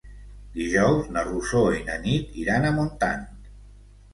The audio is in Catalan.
Dijous na Rosó i na Nit iran a Montant.